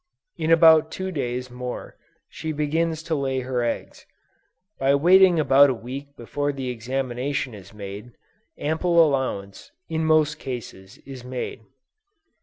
In about two days more, she begins to lay her eggs. By waiting about a week before the examination is made, ample allowance, in most cases, is made.